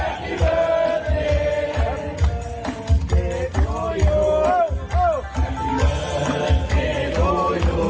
แฮปปี้เบิร์สเจทูยู